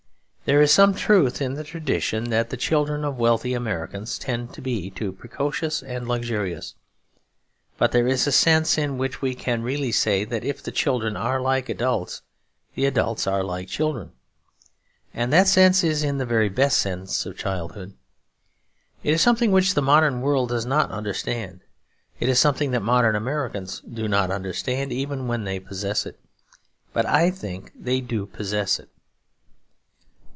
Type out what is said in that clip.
There is some truth in the tradition that the children of wealthy Americans tend to be too precocious and luxurious. But there is a sense in which we can really say that if the children are like adults, the adults are like children. And that sense is in the very best sense of childhood. It is something which the modern world does not understand. It is something that modern Americans do not understand, even when they possess it; but I think they do possess it.